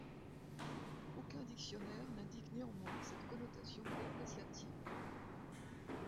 Aucun dictionnaire n'indique néanmoins cette connotation dépréciative.